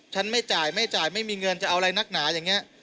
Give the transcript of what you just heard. ไม่จ่ายไม่จ่ายไม่มีเงินจะเอาอะไรนักหนาอย่างนี้